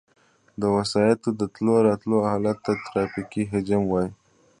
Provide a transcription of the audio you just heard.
د وسایطو د تلو راتلو حالت ته ترافیکي حجم وایي